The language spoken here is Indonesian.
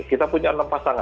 kita punya enam pasangan